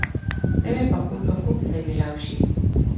نوی پکول به کوم ځای مېلاو شي؟